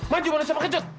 maju mana siapa kejut